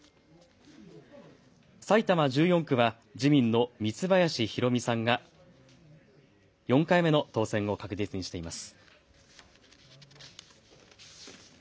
埼玉１４区は自民の三ツ林裕己さんが４回目の当選を確実にしています。